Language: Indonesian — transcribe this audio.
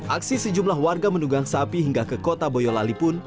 aksi sejumlah warga menunggang sapi hingga ke kota boyolali pun